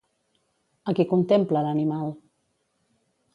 A qui contempla l'animal?